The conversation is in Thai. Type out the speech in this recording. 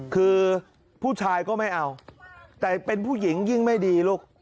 คือผู้ชายก็ไม่เอาแต่เป็นผู้หญิงยิ่งไม่ดีลูก